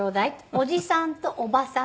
おじさんとおばさん